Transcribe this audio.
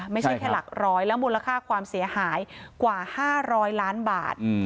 ไม่ใช่แค่หลักร้อยแล้วมูลค่าความเสียหายกว่า๕๐๐ล้านบาท